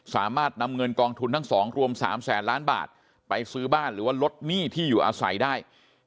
สามารถนำเงินกองทุนทั้งสองรวม๓แสนล้านบาทไปซื้อบ้านหรือว่าลดหนี้ที่อยู่อาศัยได้